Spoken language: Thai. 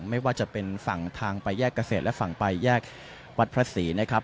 ไม่ว่าจะเป็นฝั่งทางไปแยกเกษตรและฝั่งไปแยกวัดพระศรีนะครับ